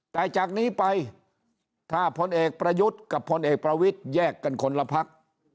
แต่จากนี้ไปถ้าพลเอกประยุทธ์กับพลเอกประวิทแยกกันคนละพัก